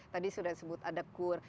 tadi sudah disebut ada kur